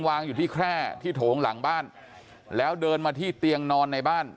วางอยู่ที่แคร่ที่โถงหลังบ้านแล้วเดินมาที่เตียงนอนในบ้าน